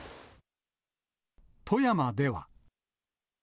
富山では。